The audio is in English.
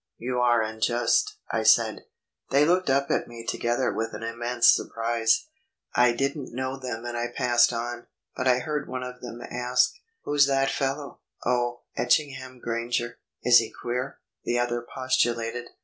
"You are unjust," I said. They looked up at me together with an immense surprise. I didn't know them and I passed on. But I heard one of them ask: "Who's that fellow?" ... "Oh Etchingham Granger...." "Is he queer?" the other postulated.